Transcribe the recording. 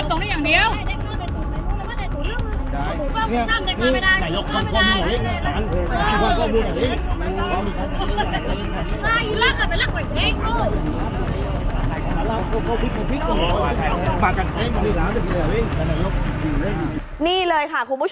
ก็ไม่มีอำนาจ